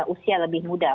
usia lebih muda